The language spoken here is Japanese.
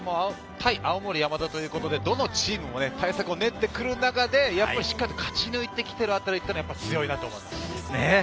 対青森山田ということで、どのチームも対策を練ってくる中でしっかりと勝ち抜いてきているあたりは強いなと思います。